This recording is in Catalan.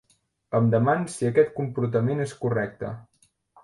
Em deman si aquest comportament és correcte.